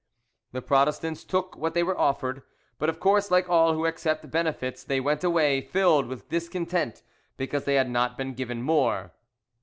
The Protestants took what they were offered, but of course like all who accept benefits they went away filled with discontent because they had not been given more.